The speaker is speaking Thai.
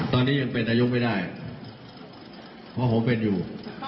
ตอนนี้ยังเป็นอายุไม่ได้เพราะผมเป็นอยู่